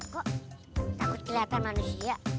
kok takut kelihatan manusia